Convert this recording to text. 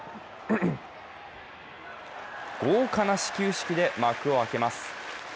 豪華な始球式で幕を開けます。